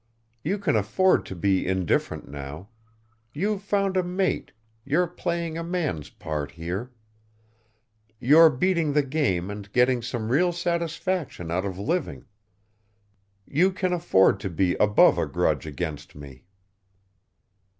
"You can afford to be indifferent now. You've found a mate, you're playing a man's part here. You're beating the game and getting some real satisfaction out of living. You can afford to be above a grudge against me."